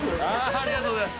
ありがとうございます。